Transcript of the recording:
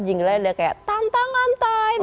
jingle nya udah kayak tantangan time gitu